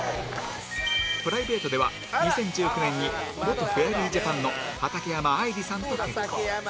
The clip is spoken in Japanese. プライベートでは２０１９年に元フェアリージャパンの畠山愛理さんと結婚